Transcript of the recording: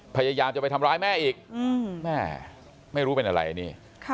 พยายามจะไปทำร้ายแม่อีกแม่ไม่รู้เป็นอะไรนี่